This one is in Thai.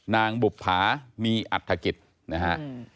บุภามีอัฐกิจนะฮะ